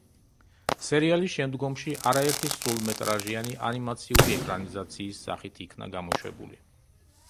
სერიალი შემდგომში არაერთი სრულმეტრაჟიანი ანიმაციური ეკრანიზაციის სახით იქნა გამოშვებული.